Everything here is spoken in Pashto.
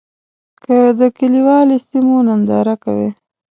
که د کلیوالي سیمو ننداره کوې.